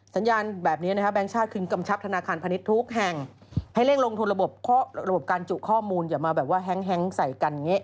สัญญาณแบบนี้นะครับแบงค์ชาติคือกำชับธนาคารพาณิชย์ทุกแห่งให้เร่งลงทุนระบบการจุข้อมูลอย่ามาแบบว่าแฮงใส่กันอย่างนี้